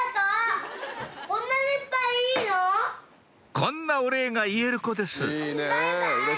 こんなお礼が言える子ですバイバイ！